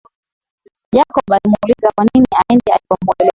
Jacob alimuuliza kwanini aende alipomuelekeza